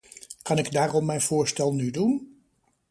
Kan ik daarom mijn voorstel nu doen?